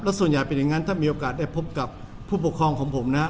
ส่วนใหญ่เป็นอย่างนั้นถ้ามีโอกาสได้พบกับผู้ปกครองของผมนะ